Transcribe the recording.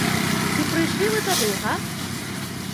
Ці прыйшлі вы тады, га?